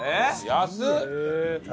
安っ！